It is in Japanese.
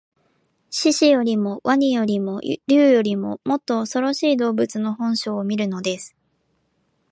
獅子よりも鰐よりも竜よりも、もっとおそろしい動物の本性を見るのです